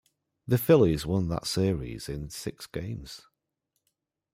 The Phillies won that Series in six games.